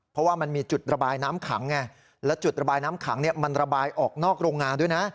เพราะว่ามันมีจุดระบายน้ำขังไงและจุดระบายน้ำขังมันระบายออกนอกโรงงานด้วยนะ